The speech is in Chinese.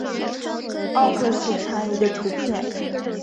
沃克氏蟾鱼的图片